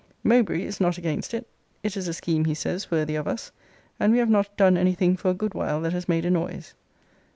MOWBRAY is not against it. It is a scheme, he says, worthy of us: and we have not done any thing for a good while that has made a noise.